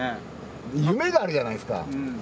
夢があるじゃないですか。